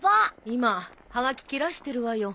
今はがき切らしてるわよ。